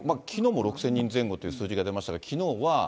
きのうも６０００人前後という数字が出ましたけれども、きのうは。